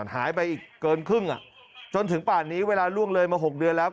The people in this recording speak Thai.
หายไปอีกเกินครึ่งจนถึงป่านนี้เวลาล่วงเลยมา๖เดือนแล้ว